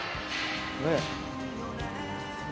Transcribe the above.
ねえ。